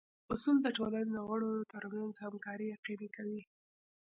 اصول د ټولنې د غړو ترمنځ همکاري یقیني کوي.